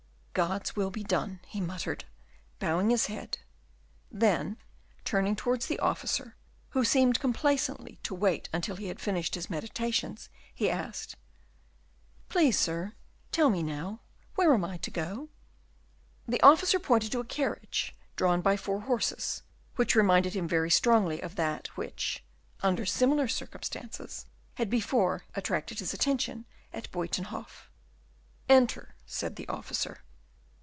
"God's will be done," he muttered, bowing his head; then, turning towards the officer, who seemed complacently to wait until he had finished his meditations he asked, "Please, sir, tell me now, where am I to go?" The officer pointed to a carriage, drawn by four horses, which reminded him very strongly of that which, under similar circumstances, had before attracted his attention at Buytenhof. "Enter," said the officer.